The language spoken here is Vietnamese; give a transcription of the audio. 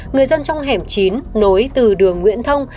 người dân trong hẻm chín nối từ đường nguyễn thông